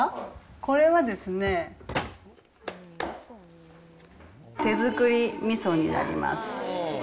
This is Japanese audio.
これはですね、手作りみそになります。